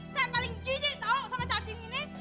saya paling jijik tau sama cacing ini